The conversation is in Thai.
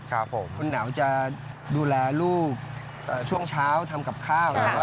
คุณเนวจะดูแลลูบช่วงเช้าทำกับข้าว